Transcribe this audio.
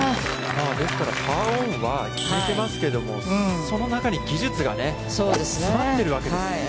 ですから、パーオンは効いてますけど、その中に技術が詰まっているわけですね。